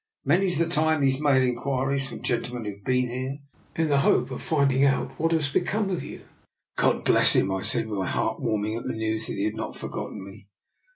Many's the time he's made inquiries from gentlemen who've been here, in the hope of finding out what has become of ye." " God bless him! " I said, my heart warm ing at the news that he had not forgotten me.